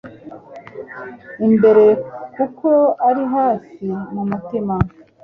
imbere kuko uri hafi mumutima